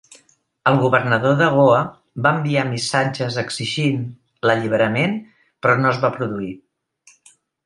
El governador de Goa va enviar missatges exigint l'alliberament però no es va produir.